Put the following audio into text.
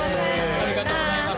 ありがとうございます。